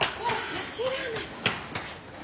走らない。